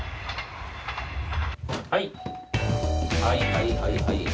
はいはいはいはい。